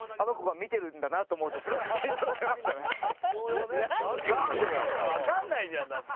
見てるかわかんないじゃんだって。